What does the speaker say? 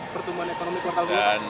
pertumbuhan ekonomi kekal juga